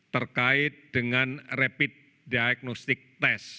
terkait dengan rapid diagnostic test